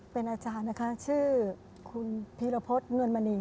เป็นอาจารย์ชื่อคุณพีรพศนวรรมณี